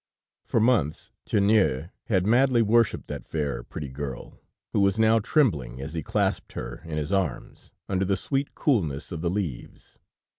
For months Tiennou had madly worshiped that fair, pretty girl, who was now trembling as he clasped her in his arms, under the sweet coolness of the leaves.